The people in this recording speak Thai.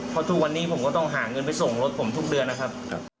เพราะทุกวันนี้ผมก็ต้องหาเงินไปส่งรถผมทุกเดือนนะครับ